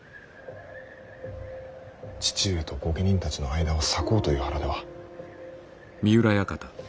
父上と御家人たちの間を裂こうという腹では。